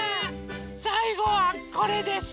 さいごはこれです。